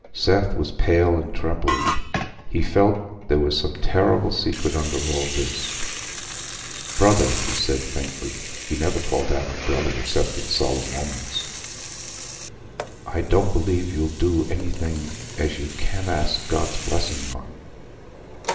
Seth was pale and trembling: he felt there was some terrible secret under all this. "Brother," he said, faintly—he never called Adam "Brother" except in solemn moments—"I don't believe you'll do anything as you can't ask God's blessing on."